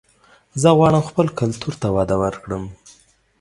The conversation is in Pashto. زه غواړم خپل کلتور ته وده ورکړم